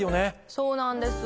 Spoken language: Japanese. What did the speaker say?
そうなんです。